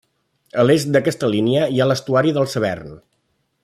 A l'est d'aquesta línia hi ha l'estuari del Severn.